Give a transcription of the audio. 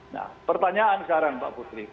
nah pertanyaan sekarang mbak putri